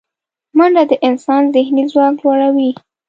منډه د انسان ذهني ځواک لوړوي